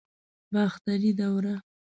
باختري دوره